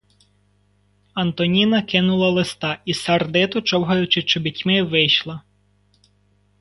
Антоніна кинула листа і, сердито човгаючи чобітьми, вийшла.